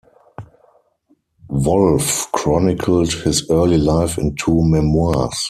Wolff chronicled his early life in two memoirs.